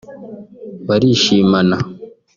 barishimana